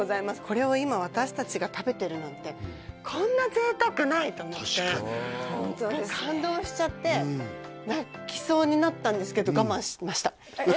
これを今私達が食べてるなんて確かに感動しちゃって泣きそうになったんですけど我慢しました